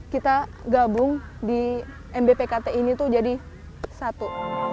kita gabung di mb pkt ini tuh jadi satu